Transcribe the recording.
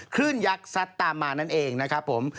คลื่นยักษ์สัตว์ตามมานั่นเองนะครับผม